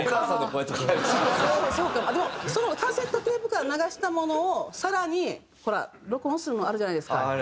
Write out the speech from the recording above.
でもそのカセットテープから流したものを更にほら録音するのあるじゃないですか。